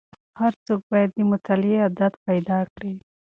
هر څوک باید د مطالعې عادت پیدا کړي.